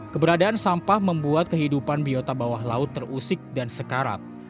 keberadaan sampah membuat kehidupan biota bawah laut terusik dan sekarat